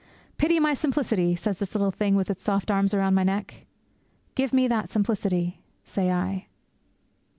'Pity my simplicity!' pleads this little thing with its soft arms round my neck. 'Give me that simplicity!' say I.